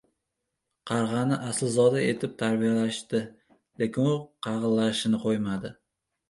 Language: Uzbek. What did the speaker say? • Qarg‘ani aslzoda etib tarbiyalashdi, lekin u qag‘illashini qo‘ymadi.